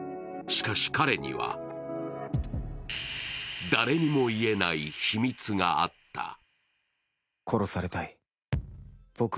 しかし彼には、誰にも言えない秘密があった。